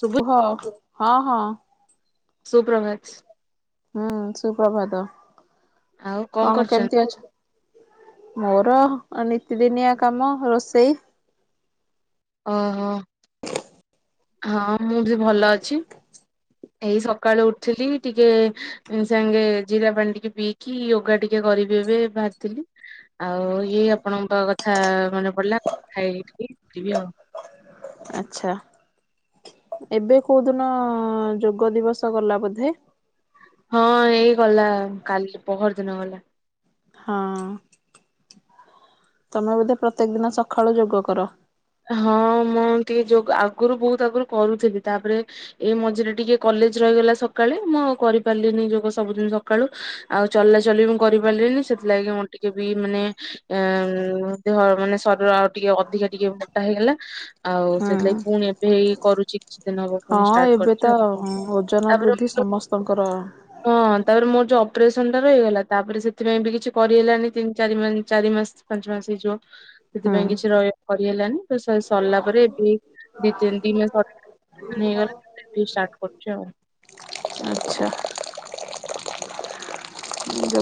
ଶୁଭୁ ହୋ ହଁ ହଁ। ସୁପ୍ରଭାତ। ହୁଁ ସୁପ୍ରଭାତ ଆଉ କଣ କରୁଛନ୍ତି? କେମିତି ଅଛ? ମୋର ନିତିଦିନିଆ କାମ ରୋଷେଇ ଓହୋ। ହଁ ମୁଁ ବି ଭଲ ଅଛି ଏଇ ସକାଳୁ ଉଠିଲି ଟିକେ ସାଙ୍ଗେ ଜିରା ପାଣି ଟିକେ ପିଇକି ୟୋଗା ଟିକେ କରିବି ଏବେ ବାହାରିଥିଲି ଆଉ ଇଏ ଆପଣଙ୍କ କଥା ମାନେ ପଡିଲା ଖାଇକି ଯିବି ଆଉ ଆଚ୍ଛା ଏବେ କୋଉ ଦିନ ଯୋଗ ଦିବସ ଗଲା ବୋଧେ ହଁ ଏଇ ଗଲା କାଲି ପହର ଦିନ ଗଲା। ହଁ ତମେ ବୋଧେ ପ୍ରତ୍ୟେକ ଦିନ ସକାଳୁ ଯୋଗ କର। ହଁ ମଁ ଟିକେ ଯୋଗ ଆଗରୁ ବହୁତ ଆଗରୁ କରୁଥିଲି ତାପରେ ଏ ମଝିରେ ଟିକେ କଲେଜ ରହିଗଲା ସକାଳେ ମୁଁ ଆଉ କରି ପାରିଲିନି ଯୋଗ ସବୁଦିନ ସକାଳୁ ଆଉ ଚଲାଚଲି ବି ମୁଁ କରିପାରିଲିନି ସେଥିଲାଗି ମୁଁ ଟିକେ ବି ମାନେ ଅଁ ଦେହ ମାନେ ଶରୀର ଆଉ ଟିକେ ଅଧିକା ଟିକେ ମୋ ଟା ହେଇଗଲା ଆଉ ହୁଁ ସେଥିଲାଗି ପୁଣି ଏବେ ଇଇ କରୁଚି ହଁ ଏବେ ତ ଓଜନ ବୃଦ୍ଧି ତାପରେ ସମସ୍ତଙ୍କର। ହଁ ତାପରେ ମୋର ଯୋଉ ଅପରେସନ ଟା ରହିଗଲା ତାପରେ ସେଥିପାଇଁ ବି କିଛି କରିହେଲାଣିି ତିନି ଚାରି ଚାରି ମାସ ପାଞ୍ଚ ମାସ ହେଇଯିବ ହୁଁ ସେଥିପାଇଁ କିଛି ରହ କରିହେଲାନି ସ ସରିଲା ପରେ ଏବେ ଦି ତିନ ଦିନ ନେଇଗଲା ଷ୍ଟାର୍ଟ କରୁଚି ଆଉ ଆଚ୍ଛା।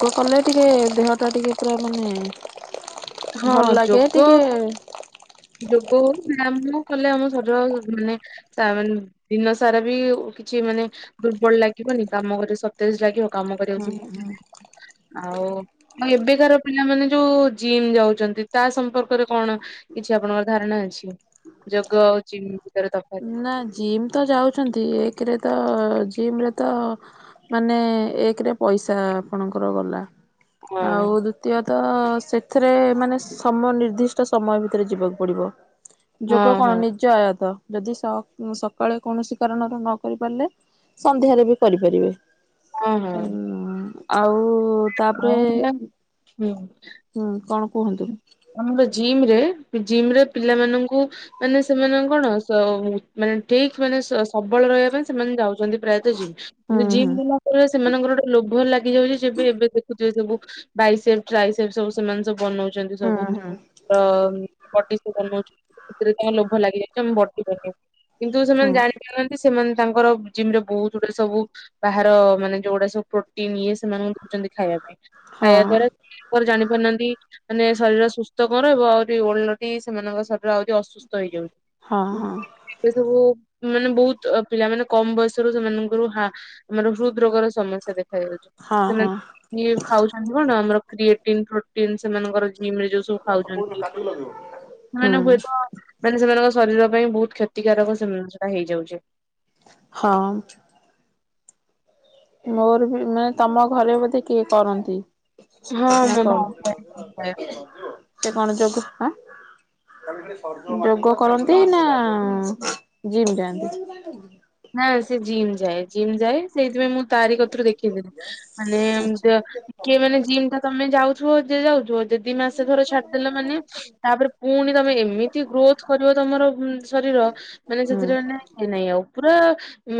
ଗ କଲେ ଟିକେ ଦେହଟା ଟିକେ ପୁରା ମାନେ ହଁ ଭଲ ଲାଗେ ଯୋଗ ଟିକେ ଯୋଗ ହଉ ବ୍ୟାୟାମ ହଉ କଲେ ଆମ ଶରୀର ମାନେ ତା ମାନେ ଦିନ ସାରା ବି କିଛି ମାନେ ଦୁର୍ବଳ ଲାଗିବନି କାମ କରେ ସ ତେଜ୍‌ ଲାଗିବ କାମ କରିବାକୁ ହୁଁ ସବୁ ଆଉ ଆଉ ଏବେକାର ପିଲାମାନେ ଯୋଉ ଜିମ୍ ଯାଉଛନ୍ତି ତା ସମ୍ପର୍କରେ କଣ? କିଛି ଆପଣଙ୍କର ଧାରଣା ଅଛି ଯୋଗ ଆଉ ଛିିିନ୍ତାର ତଫାତ ନା ଜିମ୍ ତ ଯାଉଚ଼ନ୍ତି ଏକରେ ତ ଜିମ ରେ ତ ମାନେ ଏକରେ ପଇସା ଆପଣଙ୍କର ଗଲା ହଁ ଆଉ ଦୁ ଦ୍ୱିତୀୟ ତ ସେଥିରେ ମାନେ ସମ ନିିର୍ଦ୍ଦିଷ୍ଟ ସମୟ ଭିତରେ ଯିବାକୁ ପଡିବ। ହଁ ଯୋଗ କଣ ହଁ ନିଜ ଆୟତ ଯଦି ସ ସକାଳେ କୌଣସି କାରଣରୁ ନ କରି ପାରିଲେ ସନ୍ଧ୍ୟାରେ ବି କରିପାରିବେ। ହଁ ହଁ। ହୁଁ ଆଉ ତାପରେ ଆଉ ହୁଁ କଣ କୁହନ୍ତୁ ଆମର ଜିମ ରେ ଜିମ ରେ ପିଲାମାନଙ୍କୁ ମାନେ ସେମାନେ କଣ ସ ମାନେ ଠିକ ମାନେ ସ ସବଳ ରହିବା ପାଇଁ ସେମାନେ ଯାଉଛନ୍ତି ପ୍ରାୟତଃ ହୁଁ ଯିମ। ହୁଁ ଯିମ ଗଲା ପରେ ସେମାନଙ୍କର ଗୋଟେ ଲୋଭ ଲାଗିଯାଉଛି ସେବେ ଏବେ ଦେଖୁଥିବେ ସବୁ ବାଇସେପ ଟ୍ରାଇସେପ ସବୁ ସେମାନେ ସବୁ ବନାଉଛନ୍ତି ହୁଁ ସବୁ। ହୁଁ ବଡି ସେ ବନଉଛି ସେଥିରେ ତାଙ୍କ ଲୋଭ ଲାଗିଯାଇଛି ତ ମୁଁ ବଡି [unintelligible] କିନ୍ତୁ ହୁଁ ସେମାନେ ଜାଣି ପାରୁନାହାନ୍ତି ସେମାନେ ତାଙ୍କର ଜିମ୍ରେ ବହୁତ ଗୁଡେ ସବୁ ବାହାର ମାନେ ଯୋଉଗୁଡା ସବୁ ପ୍ରୋଟିନ ଇଏ ସେମାନେ ଖାଉଛନ୍ତି। ଖାଇବା ପାଇଁ, ହଁ ଖାଇବା ଦ୍ଵାରା ଲିଭର ଜାଣି ପାରୁନାହାନ୍ତି। ମାନେ ଶରୀର ସୁସ୍ଥ କଣ ଏବଂ ଆହୁରି ଓଲଟି ସେମାନଙ୍କ ଶରୀର ଆହୁରି ଅସୁସ୍ଥ ହେଇଯାଉଛି। ହଁ, ହଁ। ଏବେ ସବୁ ମାନେ ବହୁତ ପିଲା ମାନେ କମ ବୟସରୁ ସେମାନଙ୍କର ହାର୍ଟ ମାନେ ହୃଦ ରୋଗର ସମସ୍ୟା ଦେଖା ଯାଉଛି, ହଁ ହଁ ସେମାନେ ଖାଉଛନ୍ତି କଣ ଆମର କ୍ରିଏଟିନ୍ ପ୍ରୋଟିନ୍ ସେମାନଙ୍କର ଜିମ୍ ରେ ଯୋଉ ସବୁ ଖାଉଛନ୍ତି, ହୁଁ ସେମାନେ ହୁଏତ ମାନେ ସେମାନଙ୍କ ଶରୀର ପାଇଁ ବହୁତ କ୍ଷତିକାରକ ସେଇଟା ହେଇଯାଉଛି। ହଁ। ମୋର ବି ମାନେ ତମ ଘରେ ବୋଧେ କିଏ କରନ୍ତି? ହଁ, ନା ମୋ ଭାଇ ଖାଇବା ବି କମ ଖାଇବା କେତେ କଣ ଯୋଗୁ, ଆଁ ଯୋଗ କରନ୍ତି, ନା ଜିମ୍ ଯାଆନ୍ତି? ନା, ସେ ଜିମ୍ ଯାଏ ଜିମ୍ ଯାଏ ସେଇଥିପାଇଁ ମୁଁ ତାରି କତିରୁ ଦେଖେଇଦେଲିି, ମାନେ ଆଚ୍ଛା ଏମିତିଆ କିଏ ମାନେ ଜିମ୍ ଟା ତମେ ଯାଉଥିବ ଯେ ଯାଉଥିବ ଯଦି ଦିମାସେ ଧର ଛାଡିଦେଲ ମାନେ ତାପରେ, ପୁଣି ତମେ ଏମିତି ଗ୍ରୋଥ କରିବ ତମର ଶରୀର ମାନେ ହୁଁ ସେଥିରେ ମାନେ ସେ ନାଇଁ ଆଉ ପୁରା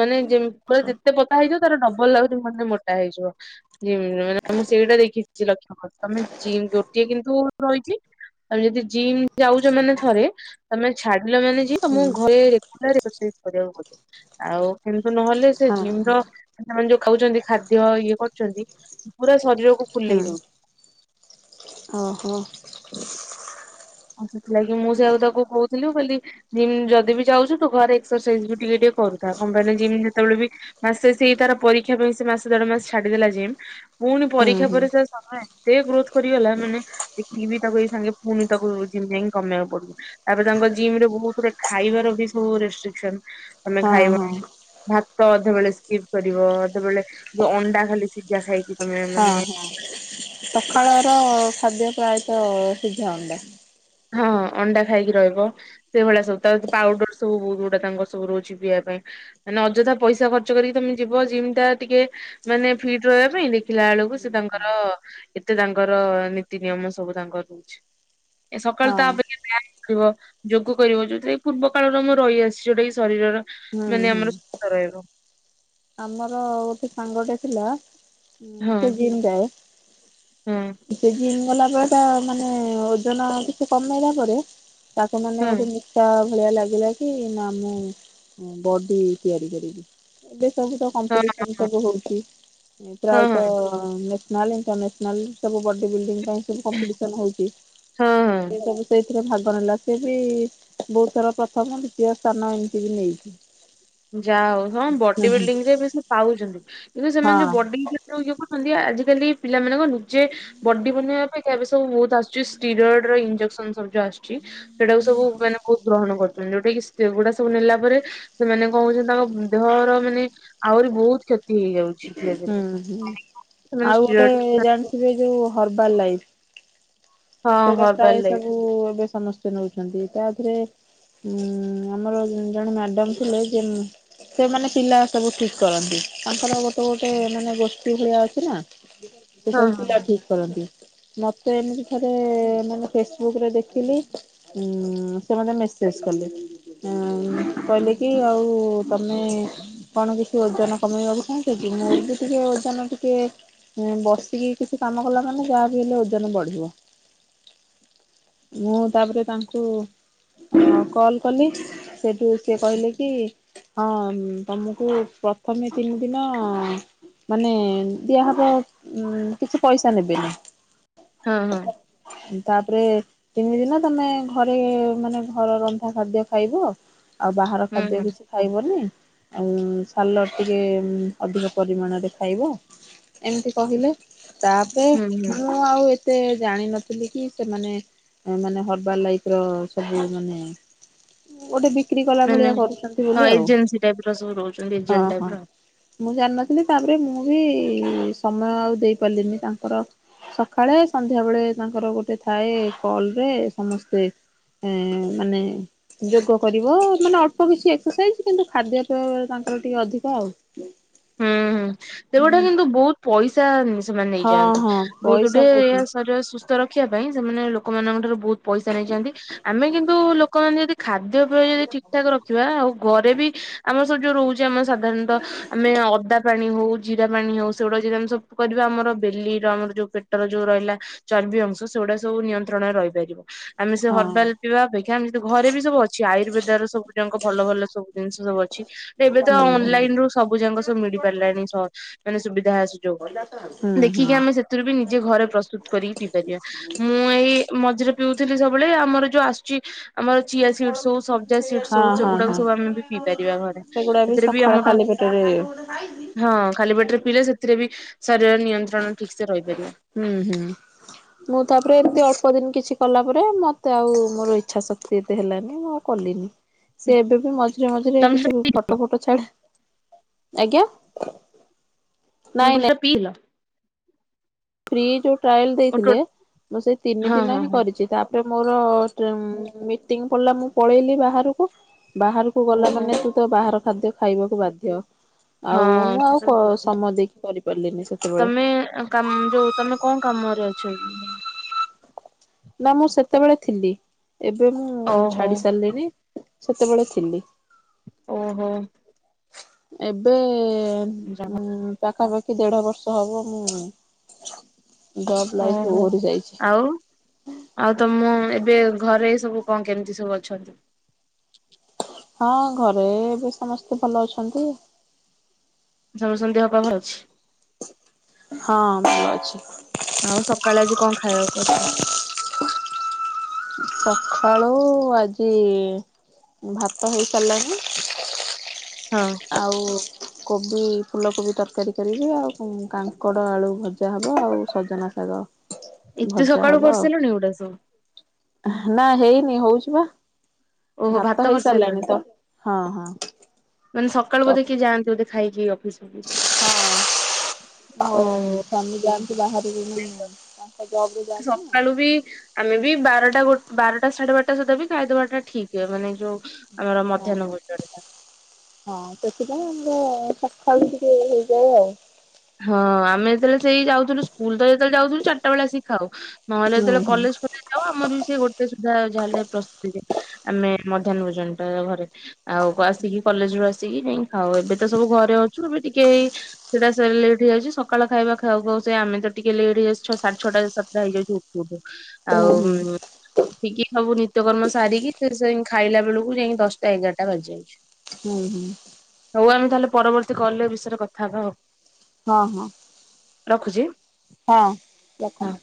ମାନେ ଯେ ପୁରା ଆଚ୍ଛା ଯେତେ ପତଳା ହେଇଯିବ, ତାର ଡବଲ ଲାଗୁଛି ମାନେ ମୋଟା ହେଇଯିବ। ଜିମ ମାନେ ମୁଁ ସେଇଟା ଦେଖିଛି ଲକ୍ଷ କରିଛି, ତମେ ଜିମ୍ ଗୋଟିଏ କିନ୍ତୁ ରହିଛି ତମେ ଯଦି ଜିମ୍ ଯାଉଛ ମାନେ ଥରେ, ତମେ ଛାଡିଲ ମାନେ ମୁଁ ହୁଁ ଘରେ ରେଗୁଲାର ରୋଷେଇ କରିବାକୁ ପଡିବ ଆଉ କିନ୍ତୁ ନହେଲେ ସେ ହଁ ଜିମ୍ ହଁ ର ସେମାନେ ଯଉ ଖାଉଛନ୍ତି ଖାଦ୍ୟ ଇଏ କରୁଛନ୍ତି ପୁରା ଶରୀରକୁ ଫୁଲେଇ ଦଉଚି! ଓ ହୋ। ଆଉ ସେଥିଲାଗି ମୁଁ ସେଇଆକୁ ତାକୁ କହୁଥିଲି ମୁଁ କହିଲି ଜିମ୍ ଯଦି ବି ଯାଉଛୁ, ତ ଘରେ ଏକ୍ସରସାଇଜ ବି ଟିକେ ଟିକେ କରୁଥା, କଣ ପାଇଁ ନା ଜିମ୍ ଯେତେବେଳେ ବି ମାସେ ସେଇ ତାର ପରୀକ୍ଷା ପାଇଁ ସେ ମାସେ ଦେଢ ମାସେ ଛାଡିଦେଲା ଜିମ୍। ପୁଣି ହୁଁ ପରୀକ୍ଷା ହୁଁ। ପରେ ସେ ସମୟ ଏତେ ଗ୍ରୋଥ କରିଗଲା ମାନେ ଦେଖିବି ତାକୁ ଏଇ ସାଙ୍ଗେ ପୁଣି ତାକୁ ଜିମ ଯାଇକି କମେଇବାକୁ ପଡିବ! ତାପରେ ତାଙ୍କ ଜିମ୍ ରେ ବହୁତ ଗୁଡେ ଖାଇବାର ବି ସବୁ ରେଷ୍ଟ୍ରିକସନ ମାନେ ହଁ ହଁ ଖାଇବନି। ଭାତ ଅଧେବେଳେ ସ୍କିପ୍ କରିବ କେତେବେଳେ ଯୋଉ ଅଣ୍ଡା ଖାଲି ସିଝା ଖାଇକି। ତମେ ହଁ, ମାନେ ହଁ, ସକାଳ ର ଖାଦ୍ୟ ପ୍ରାୟତଃ ସିଝା ଅଣ୍ଡା। ହଁ, ଅଣ୍ଡା ଖାଇକି ରହିବ! ସେଇ ଭଳିଆ ସବୁ ତାପରେ ପାଉଡର ସବୁ ବହୁତ ଗୁଡା ତାଙ୍କର ସବୁ ରହୁଛି ପିଇବା ପାଇଁ। ମାନେ ଅଯଥା ପଇସା ଖର୍ଚ୍ଚ କରିକି ତମେ ଯିବ ଜିମ୍ ଟା ଟିକେ ମାନେ ଫିଟ୍ ରହିବା ପାଇଁ ଦେଖିଲା ବେଳକୁ ସେ ତାଙ୍କର ଏତେ ତାଙ୍କର ନୀତି ନିୟମ ସବୁ ତାଙ୍କର ରହୁଛି। ଏ ସକାଳୁ ହଁ ତାପରେ ଟିକେ ବ୍ୟୟାମ୍ କରିବ। ଯୋଗ କରିବ ଯୋଉଟା କିି ପୂର୍ବ କାଳରୁ ଆମର ରହିଆସିଛି ଯୋଉଟା କିି ଶରୀରର ହୁଁ ମାନେ ହୁଁ ଆମର ସୁସ୍ଥ ରହିବ। ଆମର ଗୋଟେ ସାଙ୍ଗଟେ ଥିଲା ହଁ ସେ ଜିମ୍ ଜାଏ। ହଁ ସେ ଜିମ୍ ଗଲା ପରେ ତା ମାନେ ଓଜନ କିଛି କମେଇଲା ପରେ ତାକୁ ମାନେ ହଁ ଗୋଟେ ତା ଭଳିଆ ଲାଗିଲା କି, ନା ମୁଁ ବଡି ତିଆରି କରିବି। କୋଉଠି ତ ହଁ କମ୍ପିଟିସନ ସବୁ ହଉଛି ହଁ ହଁ ହଁ ପ୍ରାୟତଃ ନହେଲେ ସମସ୍ତେ ନହେଲେ ସବୁ ବଡି ବିଲଡିଂ ପାଇଁ ସବୁ କମ୍ପିସନ ହଉଚି ହଁ ହଁ। ସିଏ ସବୁ ସେ ସେ ଭାଗ ନେଲା ସେ ବି ବହୁତ ଥର ପ୍ରଥମ ଦ୍ୱିତୀୟ ସ୍ଥାନ ଏମିତି ବି ନେଇଚି। ଯାହଉ ସମାନେ ବଡିବିଲ୍ଡିଙ୍ଗିରେ ଏବେ ସେ ପାଉଚନ୍ତି କିନ୍ତୁ ସେମାନେ ଯୋଉ ହଁ ବଡି ବ ଇଏ କରୁଚନ୍ତି ଆଜିକାଲି ପିଲାମାନେ ନିଜେ ବଡି ବନେଇବା ଏବେ ସବୁ ବହୁତ ଆସୁଛି ଟିରଏଡ ଇଞ୍ଜେକ୍ସନ ସବୁ ଯଉ ଆୁସୁଛି ସେଟା ସବୁ ମାନେ ବହୁତ ଗ୍ରହଣ କରୁଚନ୍ତି ଯୋଉଟା କି ଗୁଡା ସବୁ ନେଲା ପରେ ସେମାନେ କହୁଚନ୍ତି ତମ ଦେହର ମାନେ ଆହୁରି ବହୁତ କ୍ଷତି ହେଇଯାଉଛି ହୁଁ ଧୀରେ ଧୀରେ। ହୁଁ ସେମାନେ ଆଉ ଗୋଟେ ଷ୍ଟିରଏଡ ଜାଣିଥିବେ ଯୋଉ ହର୍ବାଲ୍ ଲାଇଫ୍ ହଁ ସେଇଟା ହର୍ବାଲ ପ୍ରାୟ ଲାଇଫ ସବୁ ଏବେ ସମସ୍ତେ ନଉଛନ୍ତି ତା ଦେରେ ଉଁ ଆମର ଜଣେ ମ୍ୟାଡାମ ଥିଲେ ଯେ ସେମାନେ ପିଲା ସବୁ ଠିକ କରନ୍ତି ତାଙ୍କର ଗୋଟେ ଗୋଟେ ମାନେ ଗୋଷ୍ଠୀ ଭଳିଆ ଅଛି ନା। ସେ ହଁ ସବୁ ପିଲା ହଁ ହଁ। ଠିକ୍ କରନ୍ତି ମତେ ଏମିତି ଥରେ ସେ ମାନେ ଫେସବୁକ ରେ ଦେଖିଲି ଉଁ ସେ ମତେ ମେସେଜ୍‌ କଲେ ଉଁ କହିଲେ କି ଆଉ ତମେ କଣ କିଛି ଓଜନ କମେଇବାକୁ ଚାହୁଁଛ କି ମୁଁ ବି ଟିକେ ଓଜନ ଟିକେ ବସିକି କିଛି କାମ କଲା ମାନେ ଯାହାବି ହେଲେ ଓଜନ ବଢି଼ବ। ମୁଁ ତାପରେ ତାଙ୍କୁ ହଁ କଲ କଲି ସେଠୁ ସିଏ କହିଲେ କି? ହଁ ତମକୁ ପ୍ରଥମେ ତିନି ଦିନ ମାନେ ଦିଆହେବ ଉଁ କିଛି ପଇସା ନେବେନି। ହଁ ହଁ। ତା'ପ୍ରେ ତିନି ଦିନ ତମେ ଘରେ ମାନେ ଘର ରନ୍ଧା ଖାଦ୍ୟ ଖାଇବ। ଆଉ ବାହାର ହୁଁ ଖାଦ୍ୟ ହୁଁ କିଛି ଖାଇବନି, ଆଉ ସାଲଟ୍ ଟିକେ ଅଧିକ ପରିମାଣରେ ଖାଇବ। ଏମ୍ତି କହିଲେ, ହୁଁ ହୁଁ ଜାଣିିନଥିଲି କି, ସେମାନେ ମାନେ ହର୍ବାଲ୍ ଲାଇଫ୍ ର ସବୁ ମାନେ ଗୋଟେ ବିକ୍ରି କଲା ଭଳିଆ ମାନେ କରୁଚନ୍ତି ହଁ ବୋଲି ଆଉ, ଏଜେନ୍ସି ଟାଇପ ର ସବୁ ରହୁଛନ୍ତି ହଁ ଏଜେଣ୍ଟ ଟାଇପ ହଁ। ର। ମୁଁ ଜାଣ୍ ନଥିଲି ତା'ପରେ ମୁଁ ବି ସମୟ ଆଉ ଦେଇ ପାର୍ଲିନି। ତା---ର ସକାଳେ ସନ୍ଧ୍ୟା ବେଳେ ତାଙ୍କର ଗୋଟେ ଥାଏ, କଲ୍ ରେ ସମସ୍ତେ [inaudible] ଯୋଗ କରିବ, ମାନେ ଅଳ୍ପ କିଛି ଏକ୍ସସାଇଜ୍‌ କିନ୍ତୁ ଖାଦ୍ୟ ତାଙ୍କର ଟିକେ ଅଧିକ ଆଉ। [inaudible] ଶରୀର ହଁ ହଁ ପଇସା ବହୁତ ସୁସ୍ଥ ରଖିବା ପାଇଁ, ସେମାନେ ଲୋକମାନଙ୍କ ଠାରୁ ବଉତ୍ ପଇସା ନେଇଯାଆନ୍ତି। ଆମେ କିନ୍ତୁ ଲୋକମାନେ ଯଦି ଖାଦ୍ୟ ପେୟ ଯଦି ଠିକ୍ ଠାକ୍ ରଖିବା। ଆଉ ଗରେ ବି ଆମ [inaudible] ଆମେ ଅଦା ପାଣି ହଉ, ଜିରା ପାଣି ହଉ ସେଗୁଡ଼ାକ ଯଦି ଆମେ ସବୁ କରିବା, ଆମର ବେଲିର ଆମର ଯଉ ପେଟର ଯଉ ରହିଲା। ଚର୍ବି ଅଂଶ ସେଗୁଡା ସବୁ ନିୟନ୍ତ୍ରଣରେ ରହିପାରିବ। ଆମେ ସେ ହଁ। ହର୍ବାଲ୍ ପିଇବା ଅପେକ୍ଷା, ଘରେ ବି ସବୁ ଅଛି ଆୟୁର୍ବେଦ ର ସବୁ ଭଲ ଭଲ ସବୁ ଦିନ୍‌ଷ ସବୁ ଅଛି। ଏବେ ହୁଁ ତ ହୁଁ ଅନଲାଇନ୍‌ ହୁଁ ରୁ ସବୁ ଯାଙ୍କ----ମିଳି ପାରିଲାନି, ମାନେ ସୁବିଧା ହୁଁ ଦେଖିକି ଆମେ ସେଥିରୁ ବି ନିଜେ ଘରେ ପ୍ରସ୍ତୁତ୍ କରିକି ପିଇ ପାରିବା। ମୁଁ ଏଇ ମଝିରେ ପିଉଥିଲି ସ---ବେଳେ, ଆମର ଯଉ ଆ--ଚି। ଆମର ଚିଆ ସିଡ୍‌ସ୍ ହଉ ସବ୍ଜା ସିଡ୍‌ସ୍ ହଁ ହଉ ହଁ ସେଗୁଡ଼ାକୁ ହଁ ସବୁ ଆମେ ବି ପିଇ ପାରିବା ଘରେ। ଏଥିରେ ବି ଆମର ସେରେ [inaudible] ହଁ, ଖାଲି ପେଟ୍ରେ ପିଇଲେ ସେଥିରେ ବି ଶରୀର ନିୟନ୍ତ୍ରଣ ଠିକ୍ ସେ ରହିପାରିବ। [inaudible] ମୁଁ, ତା'ପ୍ରେ ଏମ୍‌ତି ଅଳ୍ପ ଦିନ୍ କିଛି କଲା ପରେ ମତେ ଆଉ ମୋର ଇଚ୍ଛା ଶକ୍ତି ଏତେ ହେଲାନି। ମୋ [inaudible] ମଝିରେ ମଝିରେ ତମେ କିଛି ସେଟା ଫଟୋ ଛାଡ଼େ, ଆଜ୍ଞା। ନାଇଁ ନାଇଁ [inaudible] ଫ୍ରି ଯଉ ଟ୍ରାଏଲ୍‌ ହଁ ଦେଇଥିଲେ, ମୁଁ ସେଇ ତିନି ଦିନ ହଁ ହିଁ ହଁ କରିଚି। ତା ମୋର ମିଟିଂ ପଡ୍‌ଲା ମୁଁ ପଳେଇଲି ବାହାରୁକୁ। ବାହା କୁ, ଗଲା ଓହୋ ମାନେ ତୁ ତ ବାହାର ଖାଦ୍ୟ ଖାଇବାକୁ ବାଧ୍ୟ। ଆଉ ହଁ ମୁଁ ସେଟା ବି ଠିକ। ଆଉ ସମୟ ଦେଇକି କରି ପାର୍ଲିନି ସେତେବେଳେ। ଯଉ ତମେ କାମରେ ଅଛ? ନା ମୁଁ ସେତେବେଳେ ଥିଲି, ଏବେ ମୁଁ ଓହୋ ଛାଡ଼ି ସାର୍ଲିନି ସେତେବେଳେ ଥିଲି। ଓହୋ। ଏବେ ଯା ପାଖାପାଖି ଦେଢ଼ ବର୍ଷ ହବ। ମୁଁ ଜବ୍ ଲାଇଫରୁ ଓହରି ଯାଇଛି। [inaudible] ଆଉ ତମ ଏବେ ଘରେ ସବୁ କ'ଣ କେମିତି ସବୁ ଅଛନ୍ତି? ହଁ, ଘରେ ଏବେ ସମସ୍ତେ ଭଲ ଅଛନ୍ତି। [inaudible] ହଁ, ଭଲ ଅଛି। ଆଉ ସକାଳେ ଆଜି କ'ଣ ଖାଇବାକୁ କ--ଚ? ଖାଳୁ, ଆଜି ଭାତ ହେଇ ସାର୍ଲାଣି। [inaudible] [inaudible] କୋବି ଫୁଲକୋବି ତର୍କାରୀ କରିବି, ଆଉ କାଙ୍କଡ଼ ଆଳୁ ଭଜା ହବ ଆଉ ସଜନା ଶାଗ। ଏତେ ଭଜା ସକାଳୁ ହବ କରି ଆଉ ସାର୍ଲଣି ଏଗୁଡ଼ା ସବୁ। ନା ହେଇନି, ହଉଛି ବା, ଓହୋ ଭାତ କରିସାରିଲଣି ହେଇସାରିଲାଣି ତ ହଁ ହଁ ମାନେ ସକାଳ ତ ବୋଧେ କିଏ ଯାଆନ୍ତି ବୋଧେ ଖାଇକି ଅଫିସ ଫଫିସ୍ ହଁ ହଉ ଓହୋ ସ୍ୱାମୀ ଯାଆନ୍ତି। ବାହାରିବେ ତାଙ୍କ ଜବ ରେ ଯାନ୍ତି ନା ସକାଳୁ ବି ଆମେ ବି ବାରଟା ଗ ବାରଟା ସାଢେ ବାରଟା ସୁଦ୍ଧା ବି ଖାଇଦବା ଟା ଠିକ୍ଏ ମାନେ ଯୋଉ ଆମର ହଁ ମଧ୍ୟାହ୍ନ ଭୋଜନ ଟା ହଁ ସେଥିପାଇଁ ଆମର ସକାଳୁ ଟିକେ ହେଇଯାଏ ଆଉ ହଁ ଆମେ ଯେତେବେଳେ ସେଇ ଯାଉଥିଲୁ ସ୍କୁଲ ତ ଯେତେବେଳେ ଯାଉଥିଲୁ ଚାରିଟା ବେଳେ ଆସିକି ଖାଉ, ନହେଲେ ହୁଁ ଯେତେବେଳେ ହୁଁ କଲେଜ ଖ ଯାଉ, ଆମର ବି ସେ ଗୋଟେ ସୁଧା ଯାହା ହେଲେ ପ୍ରସ୍ତୁତି ଆମେ ମଧ୍ୟାହ୍ନ ଭୋଜନ ଟା ଘରେ ଆଉ ଆସିକି କଲେଜ ରୁ ଆସିକି ଯାଇ ଖାଉ, ଏବେ ତ ସବୁ ଘରେ ଅଛୁ ଏବେ ଟିକେ ସେଟା ସେ ଲେଟ୍ ହେଇଯାଉଛି, ସକାଳ ଖାଇବା ଖାଉ ଖାଉ ସେ ଆମେ ତ ଟିକେ ଲେଟ ହେଇଯାଉ ଛଅ ସାଢେ ଛଅଟା ସାତଟା ହେଇଯାଉ ଉଠୁଉଠୁ ହୁଁ ହୁଁ ଆଉ ଉଠିକି ସବୁ ନିତ୍ୟକର୍ମ ସାରିକି ସେ ଖାଇଲା ବେଳକୁ ଯାଇକି ଦଶଟା ଏଗାରଟା ବାଜିଯାଉଛି ହୁଁ ହୁଁ ହଉ ଆମେ ତାହେଲେ ପରବର୍ତ୍ତୀ କଲରେ ଏ ବିଷୟରେ କଥା ହବା ଆଉ ହଁ ହଁ। ରଖୁଛି। ହଁ ହଁ। ରଖନ୍ତୁ